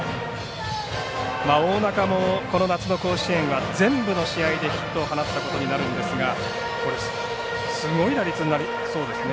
大仲もこの夏の甲子園は全部の試合でヒットを放ったことになるんですがすごい打率になりそうですね。